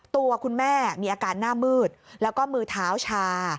ตัวคุณแม่มีอาการหน้ามืดแล้วก็มือเท้าชา